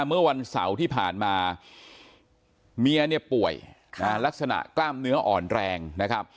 เมื่อวันเสาร์ที่ผ่านมาเมียเนี่ยป่วยลักษณะกล้ามเนื้ออ่อนแรงนะครับ